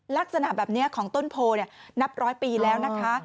ลักษณะแบบนี้ของต้นโพนับร้อยปีแล้วนะคะ